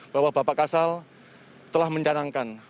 bahwa bapak kasal telah mencanangkan